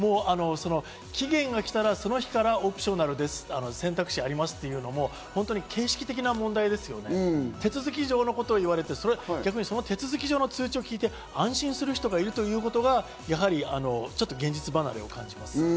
期限がきたら、その日から選択肢がありますっていうのも形式的な問題ですよね、手続き上のことを言われて、逆にその手続き上の通知を聞いて安心する人がいるということが、やはり現実離れを感じます。